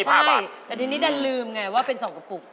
ใช่แต่ทีนี้ดันลืมไงว่าเป็น๒กระปุก